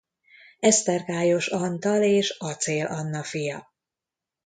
Esztergályos Antal és Aczél Anna fia.